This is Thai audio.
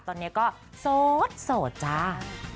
ตอนนี้ก็โสดจ้า